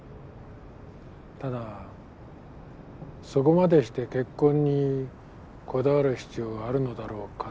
ただそこまでして結婚にこだわる必要があるのだろうかって。